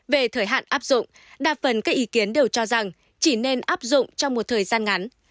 về thời hạn áp dụng đa phần các ý kiến đều cho rằng chỉ nên áp dụng trong một thời gian ngắn